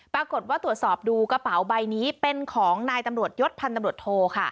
ปรากฏว่าตรวจสอบดูกระเป๋าใบนี้เป็นของนายตำรวจยศพันธ์ตำรวจโทค่ะ